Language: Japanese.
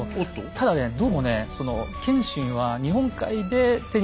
ただねどうもね